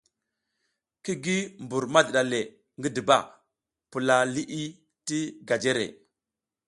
Ki gi mbur madiɗa le ngidiba, pula liʼi ti gajere.